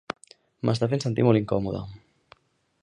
M'està fent sentir molt incòmode.